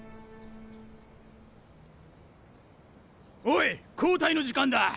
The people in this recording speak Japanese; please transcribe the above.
おい交代の時間だ！